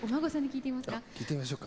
聞いてみましょうか。